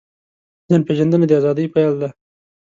ځان پېژندنه د ازادۍ پیل دی.